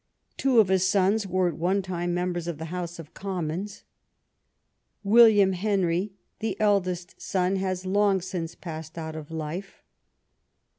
Two of his sons were at one time members of the House of Commons. William Henrj', the eldest son, has long since passed out of life.